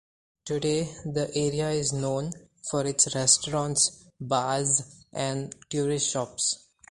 Today, the area is known for its restaurants, bars, and tourist shops.